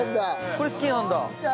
これ好きなんだ。